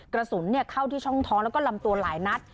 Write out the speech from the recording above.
กระสุนเข้าที่ช่องท้องแล้วก็ลำตัวหลายนัด